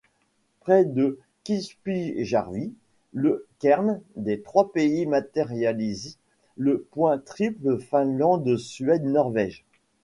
Près de Kilpisjärvi, le cairn des trois pays matérialise le point triple Finlande-Suède-Norvège.